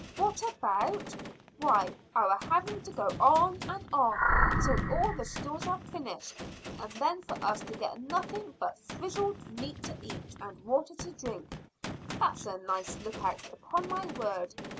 "What about? Why, our having to go on and on till all the stores are finished, and then for us to get nothing but frizzled meat to eat and water to drink. That's a nice lookout, upon my word!